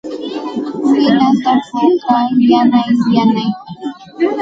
Ninata puukaa yanay yanay.